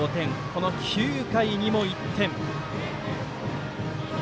この９回にも１点。